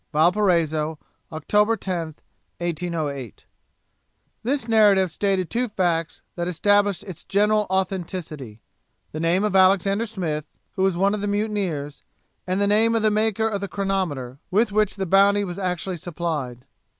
'Valparaiso, Oct. 10th, 1808.' This narrative stated two facts that established its general authenticity the name of Alexander Smith, who was one of the mutineers, and the name of the maker of the chronometer, with which the Bounty was actually supplied.